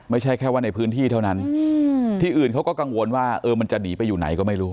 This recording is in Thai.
ไม่ใช่แค่ว่าในพื้นที่เท่านั้นที่อื่นเขาก็กังวลว่าเออมันจะหนีไปอยู่ไหนก็ไม่รู้